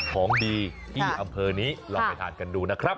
ของดีที่อำเภอนี้ลองไปทานกันดูนะครับ